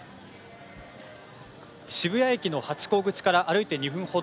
渋谷駅のハチ公口から歩いて２分程。